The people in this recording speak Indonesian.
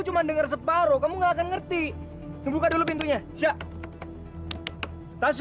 cuma denger separuh kamu nggak akan ngerti buka dulu pintunya siap tasnya